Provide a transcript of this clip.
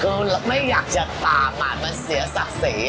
ก็ไม่อยากจะตามอ่ะมันเสียศักดิ์สิ